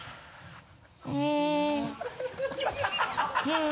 うん。